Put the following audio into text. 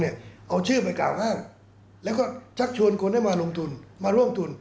เอาชื่อไปกล่าวห้ามแล้วก็ชักชวนคนมารวมทุน